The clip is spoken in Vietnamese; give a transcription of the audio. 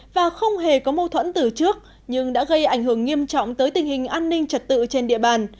và không hề có mâu thuẫn từ trước nhưng đã gây ảnh hưởng nghiêm trọng tới tình hình an ninh trật tự trên địa bàn